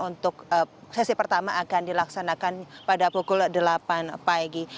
untuk sesi pertama akan dilaksanakan pada pukul delapan pagi